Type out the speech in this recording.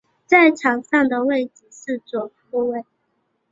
在场上的位置是左后卫。